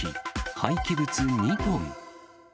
廃棄物２トン。